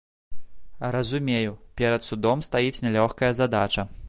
Разумею, перад судом стаіць нялёгкая задача.